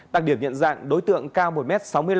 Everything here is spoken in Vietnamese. đặc điểm nhận dạng đối tượng cao một m sáu mươi năm